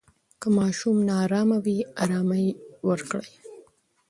که ماشوم نا آرامه وي، آرامۍ ورکړئ.